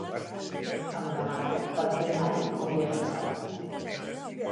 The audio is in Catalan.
Em demano perquè mai ho havia pensat.